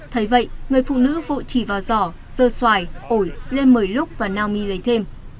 thấy vậy người phụ nữ vội chỉ vào giỏ dơ xoài ổi lên mời lúc và nao mi lấy thêm